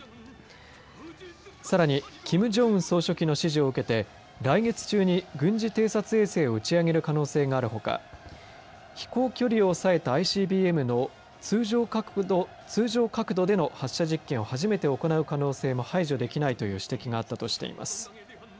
さらにキム・ジョンウン総書記の指示を受けて来月中に軍事偵察衛星を打ち上げる可能性がある他飛行距離を抑えたＩＣＢＭの通常角度での発射実験を初めて行う可能性も排除できないという指摘があったとしています。